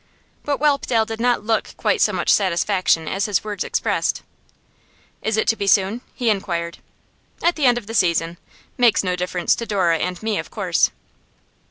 But Whelpdale did not look quite so much satisfaction as his words expressed. 'Is it to be soon?' he inquired. 'At the end of the season. Make no difference to Dora and me, of course.